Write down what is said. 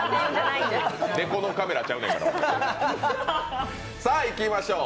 猫のカメラちゃうねんから。